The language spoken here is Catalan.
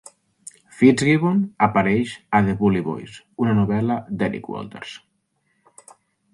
FitzGibbon apareix a "The Bully Boys", una novel·la d'Eric Walters.